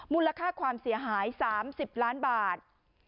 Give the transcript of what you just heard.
มูลค่าความเสียหาย๓๐ล้านบาท